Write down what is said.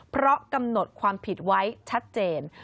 เพราะกำหนดความผิดไว้ชัดเจน